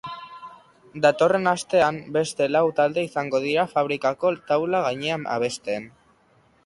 Datorren astean beste lau talde izango dira fabrikako taula-gainean abesten.